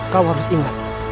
kau harus ingat